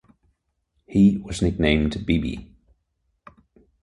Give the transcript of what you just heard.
He was nicknamed "Bebe".